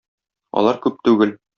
Алар күп түгел.